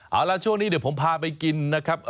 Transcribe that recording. เอาละช่วงนี้เดี๋ยวผมพาไปกินนะครับ